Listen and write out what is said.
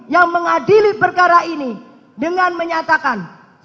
yang mengadili perkara ini dengan menyatakan